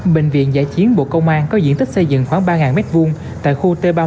bệnh viện giã chiến bộ công an có diện tích xây dựng khoảng ba m hai tại khu t ba